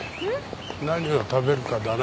何を食べるかだな。